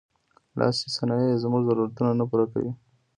لاسي صنایع یوازې زموږ ضرورتونه نه پوره کوي.